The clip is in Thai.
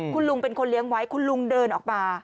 คุณลุงเป็นคนเลี้ยงไว้คุณลุงเดินออกมา